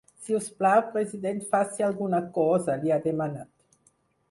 Si us plau, president faci alguna cosa, li ha demanat.